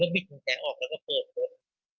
ก็บิดหนุนแกะออกแล้วก็เปิดรถ